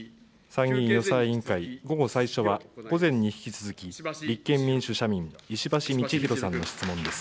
参議院予算委員会、午後最初は、午前に引き続き、立憲民主・社民、石橋通宏さんの質問です。